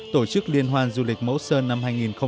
tổ chức liên hoan du lịch mẫu sơn năm hai nghìn một mươi chín